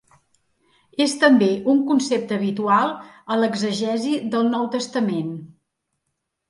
És també un concepte habitual a l'exegesi del Nou Testament.